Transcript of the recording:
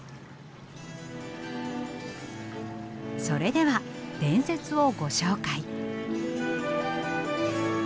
それでは伝説をご紹介。